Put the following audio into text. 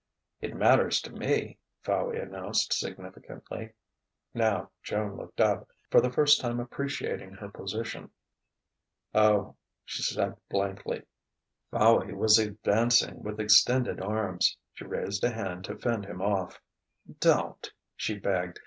"It matters to me," Fowey announced significantly. Now Joan looked up, for the first time appreciating her position. "Oh ..." she said blankly. Fowey was advancing, with extended arms. She raised a hand to fend him off. "Don't!" she begged.